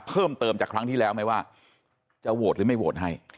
เพิ่มเติมจากครั้งที่แล้วไหมว่าจะโหวตหรือไม่โหวตให้